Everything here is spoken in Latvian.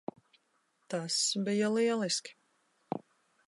Tas bija lieliski.